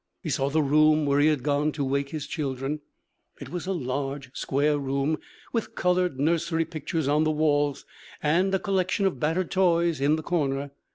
He saw the room where he had gone to wake his children. It was a large, square room, with colored nursery pictures on the walls and a collection of battered toys in the corner.